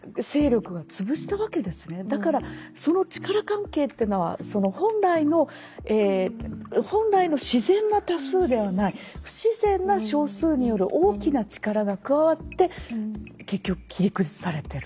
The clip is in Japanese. だからその力関係っていうのは本来の自然な多数ではない不自然な少数による大きな力が加わって結局切り崩されてる。